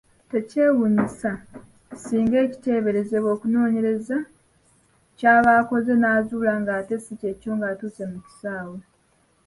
Tekyewuunyisa singa ekiteeberezebwa omunoonyereza ky'aba akoze n’azuula ng’ate si kyekyo ng’atuuse mu kisaawe.